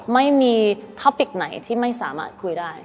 ไม่มีท็อปิกไหนที่ไม่สามารถคุยได้